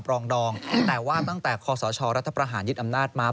รองดองแต่ว่าตั้งแต่คศรัฐประหารยึดอำนาจมา